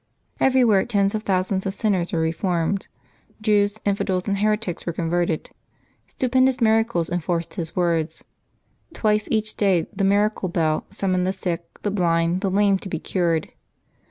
Everywhere tens of thousands of sinners were reformed; Jews, infidels, and heretics were converted. Stupendous miracles enforced his words. Twice each day the " miracle bell " summone'd the sick, the blind, the lame to be cured.